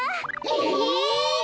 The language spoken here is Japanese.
え！